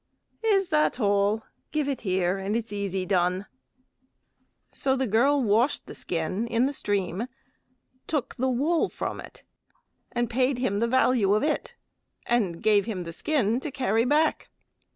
"Is that all? Give it here, and it's easy done." So the girl washed the skin in the stream, took the wool from it, and paid him the value of it, and gave him the skin to carry back.